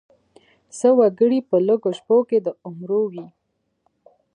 څه وګړي په لږو شپو کې د عمرو وي.